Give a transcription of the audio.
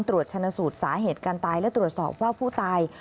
ตรวจชนะสูตรสาเหตุการตายและตรวจสอบว่าผู้ตาย